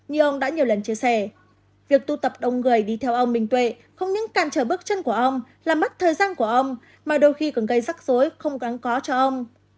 như ông đã nhiều lần chia sẻ việc tụ tập đông người đi theo ông minh tuệ không những càn trở bước chân của ông là mất thời gian của ông mà đôi khi còn gây rắc rối không gắn có cho ông